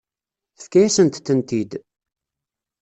Tefka-yasent-tent-id.